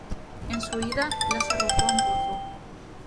En su huida, las arrojó a un pozo.